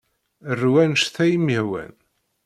Ru anect ay am-yehwan.